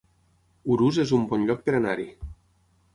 Urús es un bon lloc per anar-hi